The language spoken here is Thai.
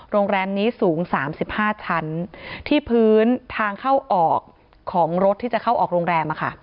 โรงแรมนี้สูง๓๕ชั้นที่พื้นทางเข้าออกของรถที่จะเข้าออกโรงแรม